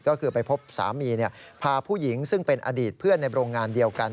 ก็คือไปพบสามีพาผู้หญิงซึ่งเป็นอดีตเพื่อนในโรงงานเดียวกัน